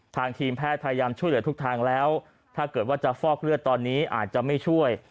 ทีมแพทย์พยายามช่วยเหลือทุกทางแล้วถ้าเกิดว่าจะฟอกเลือดตอนนี้อาจจะไม่ช่วย